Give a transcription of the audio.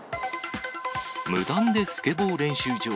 無断でスケボー練習場。